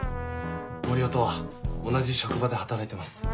森生とは同じ職場で働いてます。